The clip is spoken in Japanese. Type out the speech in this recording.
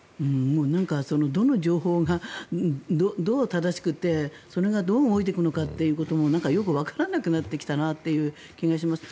どの情報がどう正しくてそれがどう動いていくのかということもよくわからなくなってきたなという気がします。